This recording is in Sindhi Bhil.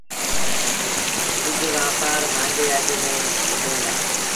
ٻج وآپآريٚ مآݩگي اگھ ميݩ وڪڻيٚن دآ